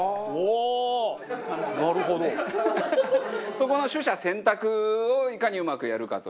そこの取捨選択をいかにうまくやるかというか。